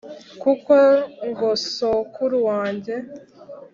kuko ngo sokuru wanjye